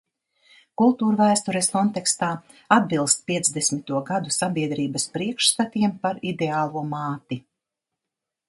Kultūrvēstures kontekstā – atbilst piecdesmito gadu sabiedrības priekšstatiem par ideālo māti.